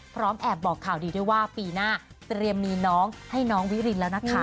แอบบอกข่าวดีด้วยว่าปีหน้าเตรียมมีน้องให้น้องวิรินแล้วนะคะ